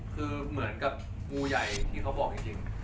คือเหมือนกับงูใหญ่ที่เขาบอกจริง